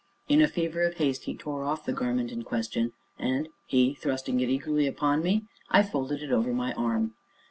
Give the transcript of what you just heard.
In a fever of haste he tore off the garment in question, and, he thrusting it eagerly upon me, I folded it over my arm.